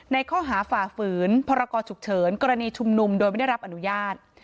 ข้อหาฝ่าฝืนพรกรฉุกเฉินกรณีชุมนุมโดยไม่ได้รับอนุญาต